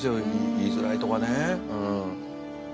言いづらいとかね。